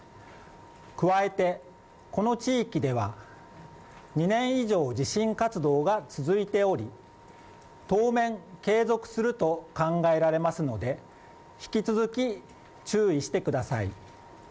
加えて、この地域では２年以上、地震活動が続いており当面、継続すると考えられますので引き続き注意してください。